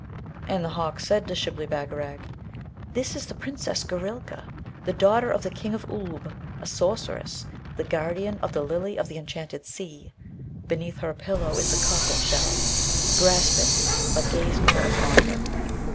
And the hawk said to Shibli Bagarag, 'This is the Princess Goorelka, the daughter of the King of Oolb, a sorceress, the Guardian of the Lily of the Enchanted Sea. Beneath her pillow is the cockle shell; grasp it, but gaze not upon her.'